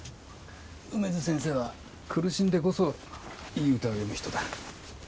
梅津先生は苦しんでこそいい歌を詠む人だ。